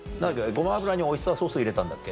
ごま油にオイスターソースを入れたんだっけ。